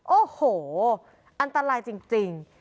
โอ้โหอันตรายจริง